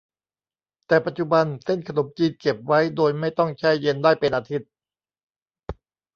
แต่ปัจจุบัน เส้นขนมจีนเก็บไว้โดยไม่ต้องแช่เย็นได้เป็นอาทิตย์